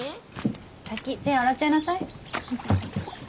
先手を洗っちゃいなさい。